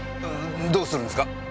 どうするんですか？